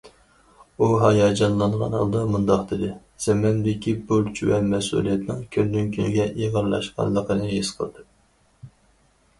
ئۇ ھاياجانلانغان ھالدا مۇنداق دېدى: زىممەمدىكى بۇرچ ۋە مەسئۇلىيەتنىڭ كۈندىن- كۈنگە ئېغىرلاشقانلىقىنى ھېس قىلدىم.